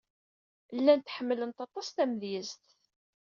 Llant ḥemmlent aṭas tamedyazt.